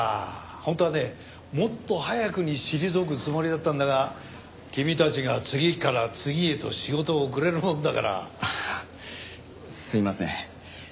本当はねもっと早くに退くつもりだったんだが君たちが次から次へと仕事をくれるもんだから。ああすいません。